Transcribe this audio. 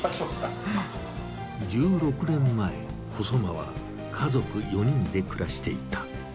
１６年前細間は家族４人で暮らしていた。